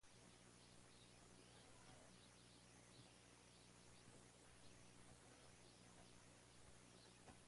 Estos se constituyeron en cultura autóctona y mantuvieron relaciones comerciales con fenicios y cartagineses.